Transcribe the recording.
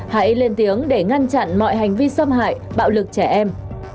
hãy lên tiếng để ngăn chặn mọi hành vi xâm hại bạo lực trẻ em